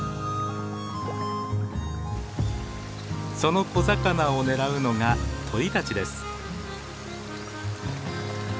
その小魚を狙うのが鳥たちです。